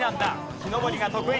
木登りが得意。